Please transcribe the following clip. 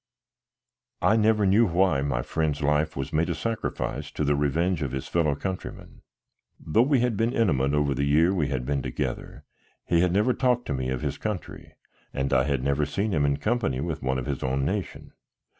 I never knew why my friend's life was made a sacrifice to the revenge of his fellow countrymen. Though we had been intimate in the year we had been together, he had never talked to me of his country and I had never seen him in company with one of his own nation.